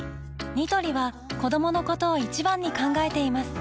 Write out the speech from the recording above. ニトリは子どものことを一番に考えています